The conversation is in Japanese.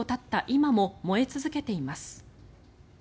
今も燃え続けています。